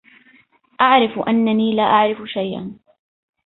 أعرف أنّني لا أعرف شيئًا.